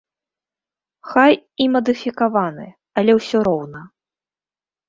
Хай і мадыфікаваны, але ўсё роўна.